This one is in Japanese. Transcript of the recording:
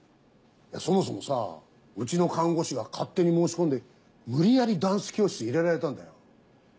そもそもさうちの看護師が勝手に申し込んで無理やりダンス教室入れられたんだよ。